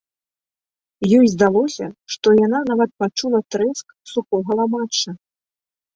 Ёй здалося, што яна нават пачула трэск сухога ламачча.